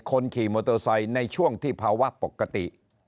คนขี่มอเตอร์ไซค์ในช่วงที่ภาวะปกติ